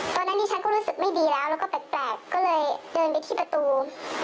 ตอนนั้นดิฉันก็รู้สึกไม่ดีแล้วแล้วก็แปลกก็เลยเดินไปที่ประตู